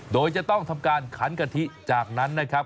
โดยจะต้องทำการขันกะทิจากนั้นนะครับ